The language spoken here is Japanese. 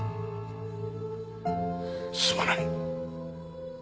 すまない。